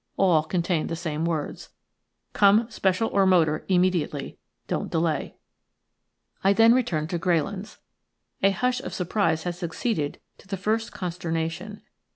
All contained the same words:– "Come special or motor immediately. Don't delay." I then returned to Greylands. A hush of surprise had succeeded to the first consternation.